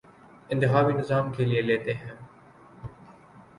انتخابی نظام کے لتے لیتے ہیں